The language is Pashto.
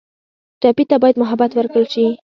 ټپي ته باید محبت ورکړل شي.